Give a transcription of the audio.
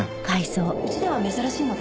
うちでは珍しいので。